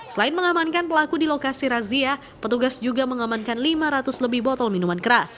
selain mengamankan pelaku di lokasi razia petugas juga mengamankan lima ratus lebih botol minuman keras